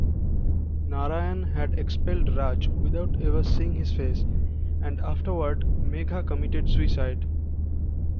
Narayan had expelled Raj without ever seeing his face, and afterward Megha committed suicide.